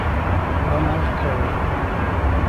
Ronald Curry